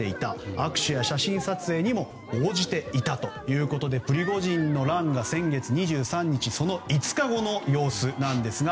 握手や写真撮影にも応じていたということでプリゴジンの乱が先月２３日その５日後の様子なんですが。